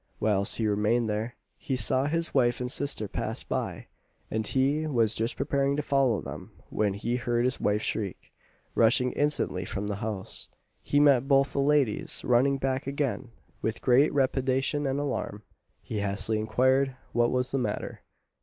Whilst he remained there, he saw his wife and sister pass by, and he was just preparing to follow them when he heard his wife shriek. Rushing instantly from the house, he met both the ladies running back again with great trepidation and alarm. He hastily inquired what was the matter.